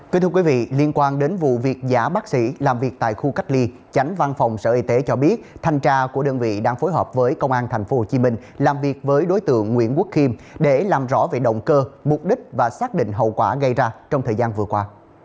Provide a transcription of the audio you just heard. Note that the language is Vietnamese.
thưa quý vị liên quan đến vụ việc giả bác sĩ làm việc tại khu cách ly chánh văn phòng sở y tế cho biết thanh tra của đơn vị đang phối hợp với công an tp hcm làm việc với đối tượng nguyễn quốc khiêm để làm rõ về động cơ mục đích và xác định hậu quả gây ra trong thời gian vừa qua